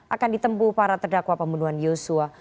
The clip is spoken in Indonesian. akan ditempu para terdakwa pembunuhan yosua